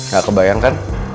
gak kebayang kan